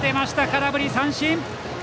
空振り三振！